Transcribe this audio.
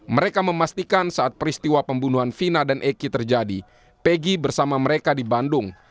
mereka memastikan saat peristiwa pembunuhan vina dan eki terjadi pegi bersama mereka di bandung